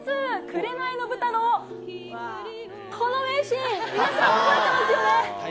紅の豚のこの名シーン、皆さん、覚えてますよね。